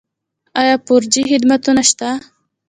آیا فور جي خدمتونه شته؟